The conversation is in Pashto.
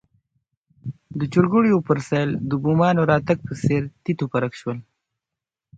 د چرګوړیو پر سېل د بومانو راتګ په څېر تیت و پرک شول.